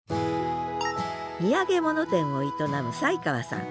土産物店を営む宰川さん。